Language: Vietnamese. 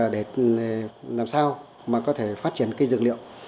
để làm sao mà có thể phát triển cây dược liệu